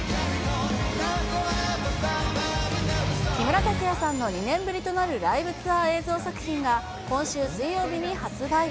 木村拓哉さんの２年ぶりとなるライブツアー映像作品が今週水曜日に発売。